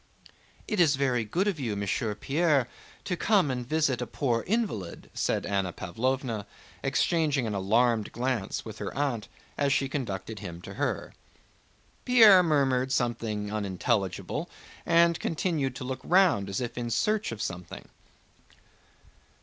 "It is very good of you, Monsieur Pierre, to come and visit a poor invalid," said Anna Pávlovna, exchanging an alarmed glance with her aunt as she conducted him to her. Pierre murmured something unintelligible, and continued to look round as if in search of something.